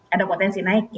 ada potensi naik ya